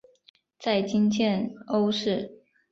在今建瓯市。